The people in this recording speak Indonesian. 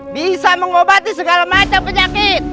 bisa mengobati segala macam penyakit